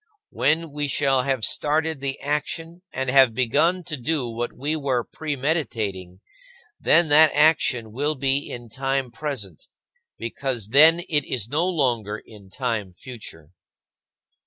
When we shall have started the action and have begun to do what we were premeditating, then that action will be in time present, because then it is no longer in time future.